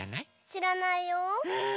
しらないよ。え？